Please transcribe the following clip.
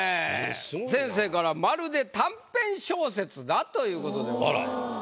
先生から「まるで短編小説」だということでございます。